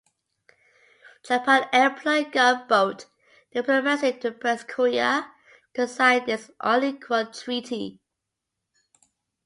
Japan employed gunboat diplomacy to press Korea to sign this unequal treaty.